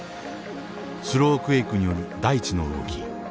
スロークエイクによる大地の動き。